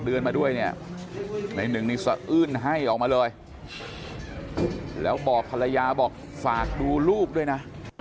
เดือนมาด้วยเนี่ยให้ออกมาเลยแล้วบอกภรรยาบอกฝากดูรูปด้วยนะ